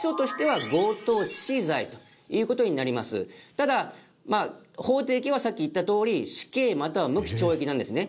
ただまあ法定刑はさっき言ったとおり死刑または無期懲役なんですね。